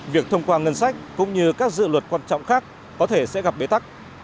việc thông qua ngân sách cũng như các dự luật quan trọng khác có thể sẽ gặp bế tắc